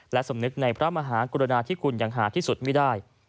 และสำนึกในพระมหากรุณาที่คุณอย่างหาที่สุดไม่ได้